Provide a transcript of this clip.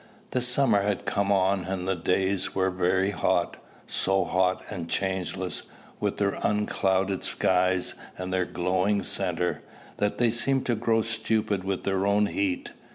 The summer had come on, and the days were very hot, so hot and changeless, with their unclouded skies and their glowing centre, that they seemed to grow stupid with their own heat.